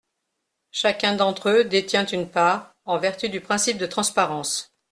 Chacun d’entre eux détient une part, en vertu du principe de transparence.